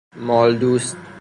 مال دوست